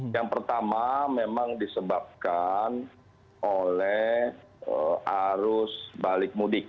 yang pertama memang disebabkan oleh arus balik mudik